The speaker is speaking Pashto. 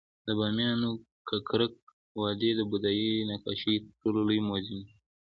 د بامیانو ککرک وادي د بودايي نقاشیو تر ټولو لوی موزیم دی